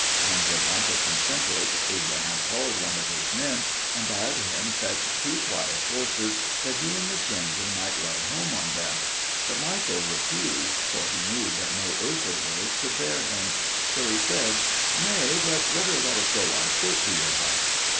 And when Michael consented, Abraham called one of his men and bade him fetch two quiet horses that he and the stranger might ride home on them. But Michael refused, for he knew that no earthly horse could bear him; so he said, "Nay, but rather let us go on foot to your house."